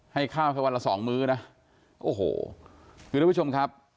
ให้ข้าวแค่วันละสองมื้อนะโอ้โหคือทุกผู้ชมครับ